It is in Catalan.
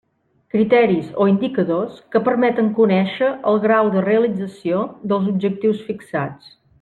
Criteris o indicadors que permeten conèixer el grau de realització dels objectius fixats.